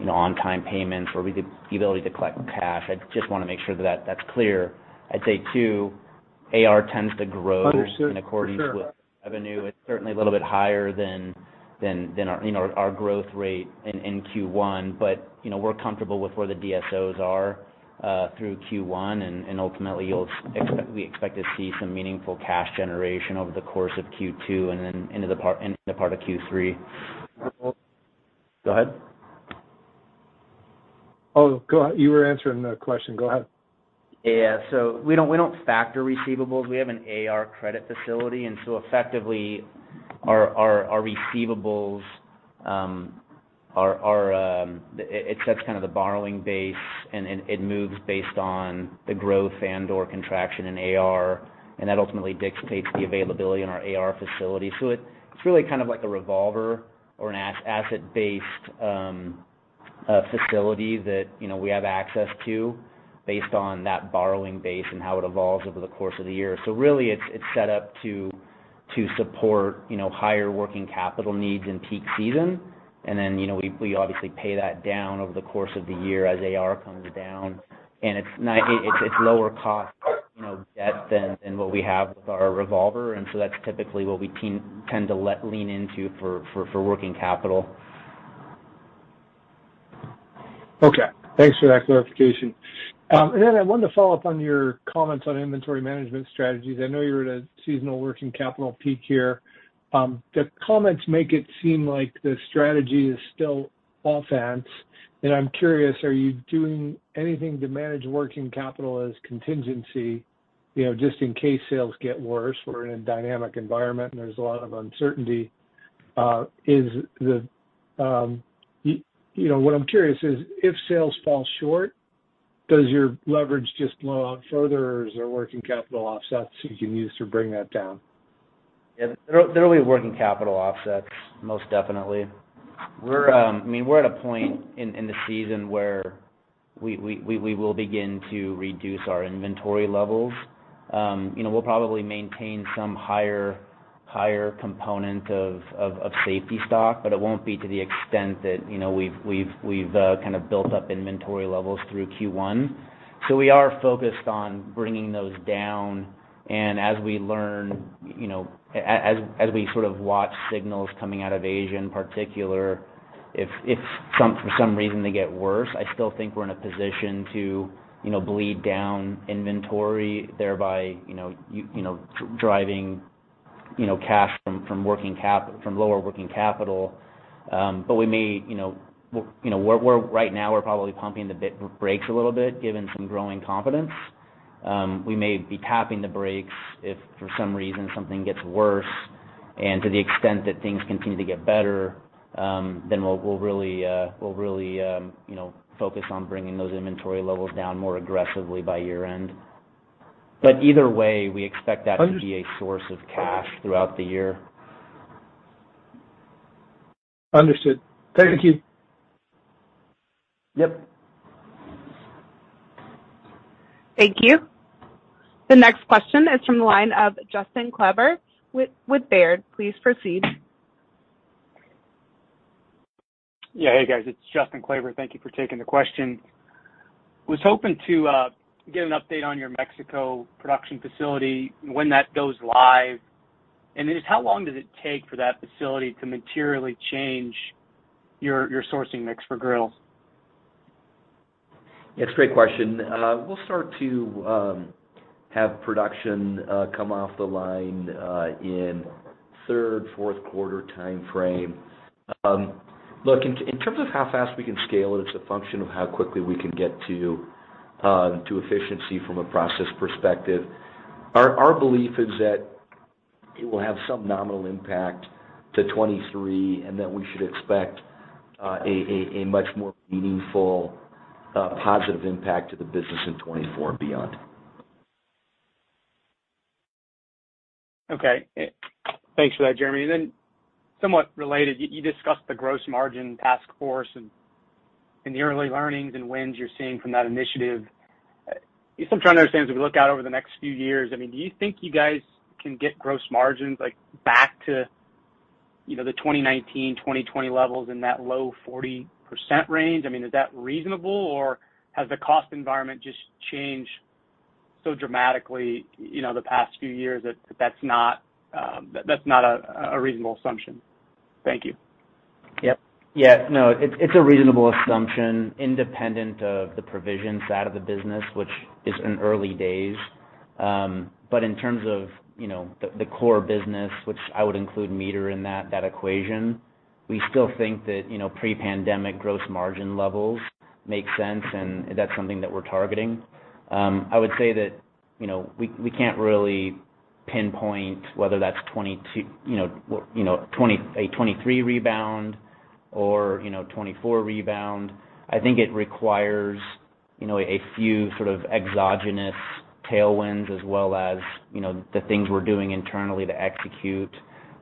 S4: you know, on-time payments or the ability to collect cash. I just wanna make sure that that's clear. I'd say, too, AR tends to grow.
S12: Understood. For sure.
S4: In accordance with revenue. It's certainly a little bit higher than, you know, our growth rate in Q1. You know, we're comfortable with where the DSOs are through Q1. Ultimately we expect to see some meaningful cash generation over the course of Q2 and then into the part of Q3. Go ahead.
S12: You were answering the question. Go ahead.
S4: Yeah. We don't factor receivables. We have an AR credit facility. Effectively our receivables. It sets kind of the borrowing base and it moves based on the growth and/or contraction in AR, and that ultimately dictates the availability in our AR facility. It's really kind of like a revolver or an asset-based facility that, you know, we have access to based on that borrowing base and how it evolves over the course of the year. Really it's set up to support, you know, higher working capital needs in peak season. You know, we obviously pay that down over the course of the year as AR comes down. It's lower cost, you know, debt than what we have with our revolver. That's typically what we tend to let lean into for working capital.
S12: Okay. Thanks for that clarification. I wanted to follow up on your comments on inventory management strategies. I know you're at a seasonal working capital peak here. The comments make it seem like the strategy is still offense. I'm curious, are you doing anything to manage working capital as contingency, you know, just in case sales get worse? We're in a dynamic environment, and there's a lot of uncertainty. You know, what I'm curious is if sales fall short, does your leverage just blow out further, or is there working capital offsets you can use to bring that down?
S4: Yeah. There will be working capital offsets, most definitely. I mean, we're at a point in the season where we will begin to reduce our inventory levels. You know, we'll probably maintain some higher component of safety stock, but it won't be to the extent that, you know, we've kind of built up inventory levels through Q1. So we are focused on bringing those down. As we learn, you know, as we sort of watch signals coming out of Asia in particular, if for some reason they get worse, I still think we're in a position to, you know, bleed down inventory, thereby, you know, driving, you know, cash from lower working capital. We may, you know. You know, right now we're probably pumping the brakes a little bit, given some growing confidence. We may be tapping the brakes if for some reason something gets worse. To the extent that things continue to get better, then we'll really focus on bringing those inventory levels down more aggressively by year-end. Either way, we expect that to be a source of cash throughout the year.
S12: Understood. Thank you.
S4: Yep.
S1: Thank you. The next question is from the line of Justin Kleber with Baird. Please proceed.
S13: Yeah. Hey, guys, it's Justin Kleber. Thank you for taking the question. Was hoping to get an update on your Mexico production facility, when that goes live. Then just how long does it take for that facility to materially change your sourcing mix for grills?
S3: Yes, great question. We'll start to have production come off the line in third, fourth quarter timeframe. Look, in terms of how fast we can scale it's a function of how quickly we can get to efficiency from a process perspective. Our belief is that it will have some nominal impact to 2023, and that we should expect a much more meaningful positive impact to the business in 2024 and beyond.
S13: Okay. Thanks for that, Jeremy. Somewhat related, you discussed the gross margin task force and the early learnings and wins you're seeing from that initiative. I'm still trying to understand, as we look out over the next few years, I mean, do you think you guys can get gross margins, like, back to, you know, the 2019, 2020 levels in that low 40% range? I mean, is that reasonable, or has the cost environment just changed so dramatically, you know, the past few years that that's not a reasonable assumption? Thank you.
S4: Yep. Yeah. No, it's a reasonable assumption independent of the provision side of the business, which is in early days. In terms of, you know, the core business, which I would include MEATER in that equation, we still think that, you know, pre-pandemic gross margin levels make sense, and that's something that we're targeting. I would say that, you know, we can't really pinpoint whether that's a 2023 rebound or, you know, 2024 rebound. I think it requires, you know, a few sort of exogenous tailwinds as well as, you know, the things we're doing internally to execute,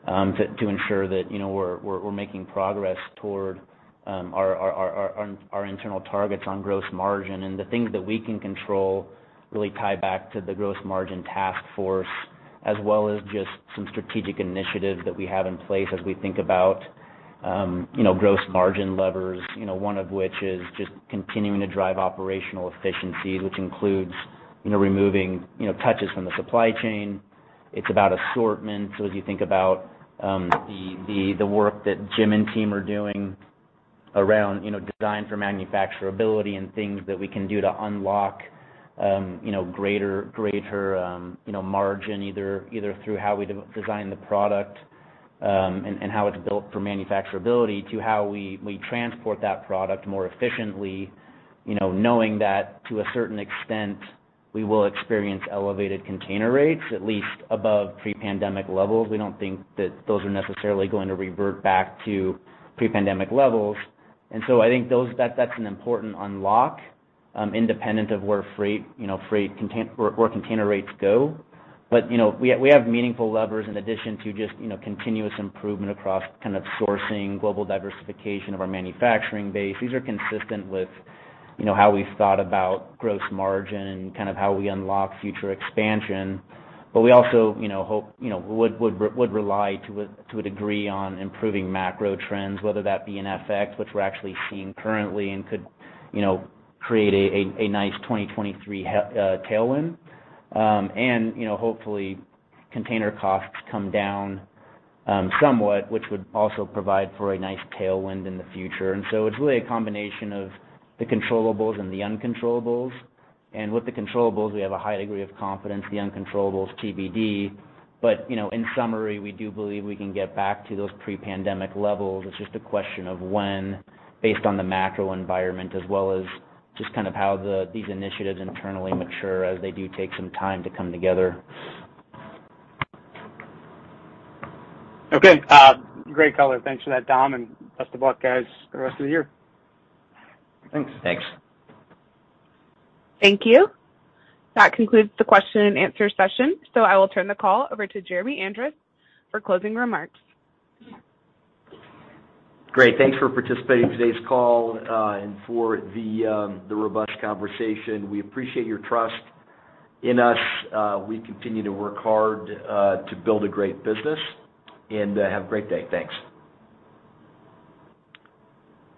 S4: to ensure that, you know, we're making progress toward our internal targets on gross margin. The things that we can control really tie back to the gross margin task force, as well as just some strategic initiatives that we have in place as we think about, you know, gross margin levers, you know, one of which is just continuing to drive operational efficiency, which includes, you know, removing, you know, touches from the supply chain. It's about assortment. As you think about, the work that Jim and team are doing around, you know, design for manufacturability and things that we can do to unlock, you know, greater, you know, margin, either through how we de-design the product, and how it's built for manufacturability, to how we transport that product more efficiently, you know, knowing that to a certain extent, we will experience elevated container rates, at least above pre-pandemic levels. We don't think that those are necessarily going to revert back to pre-pandemic levels. I think that's an important unlock, independent of where freight, you know, freight container rates go. You know, we have meaningful levers in addition to just, you know, continuous improvement across kind of sourcing, global diversification of our manufacturing base. These are consistent with, you know, how we've thought about gross margin and kind of how we unlock future expansion. We also, you know, hope would rely to a degree on improving macro trends, whether that be in FX, which we're actually seeing currently and could, you know, create a nice 2023 tailwind. You know, hopefully container costs come down somewhat, which would also provide for a nice tailwind in the future. It's really a combination of the controllables and the uncontrollables. With the controllables, we have a high degree of confidence. The uncontrollables, TBD. You know, in summary, we do believe we can get back to those pre-pandemic levels. It's just a question of when, based on the macro environment, as well as just kind of how these initiatives internally mature, as they do take some time to come together.
S13: Okay. Great color. Thanks for that, Dom, and best of luck, guys, the rest of the year.
S3: Thanks.
S4: Thanks.
S1: Thank you. That concludes the question and answer session. I will turn the call over to Jeremy Andrus for closing remarks.
S3: Great. Thanks for participating in today's call, and for the robust conversation. We appreciate your trust in us. We continue to work hard, to build a great business. Have a great day. Thanks.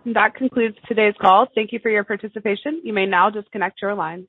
S1: That concludes today's call. Thank you for your participation. You may now disconnect your lines.